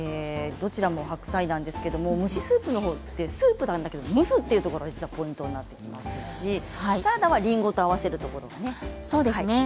どちらも白菜なんですが蒸しスープはスープなんですけれども蒸しというところがポイントになってきますしサラダはりんごと合わせるんですよね。